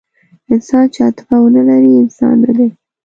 انسان چې عاطفه ونهلري، انسان نهدی.